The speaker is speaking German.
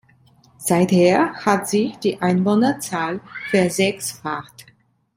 Seither hat sich die Einwohnerzahl versechsfacht.